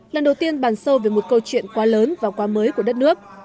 lần đầu tiên bàn sâu về một câu chuyện quá lớn và quá mới của đất nước